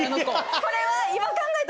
これは。